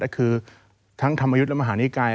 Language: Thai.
ก็คือทั้งธรรมยุทธ์และมหานิกาย